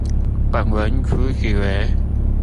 本文主旨為